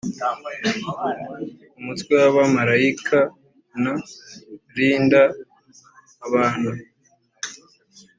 umutwe w’abamarayikanrinda abantu